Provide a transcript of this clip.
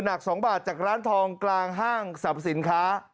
หนัก๒บาทจากร้านทองกลางห้างสรรพสินค้า